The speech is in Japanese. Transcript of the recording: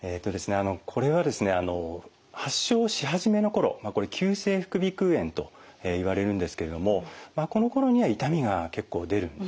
これはですね発症し始めの頃急性副鼻腔炎といわれるんですけれどもこのころには痛みが結構出るんですね。